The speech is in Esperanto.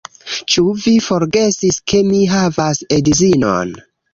Ĉu vi forgesis ke mi havas edzinon?